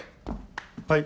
はい。